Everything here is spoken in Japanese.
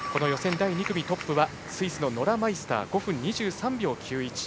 第２組トップはスイスのノラ・マイスターが５分２３秒９１。